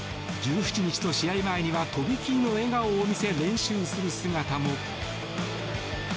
１７日の試合前にはとびきりの笑顔を見せ練習する姿も。